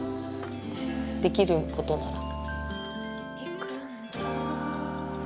できることなら。